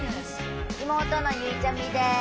妹のゆいちゃみです。